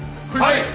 はい！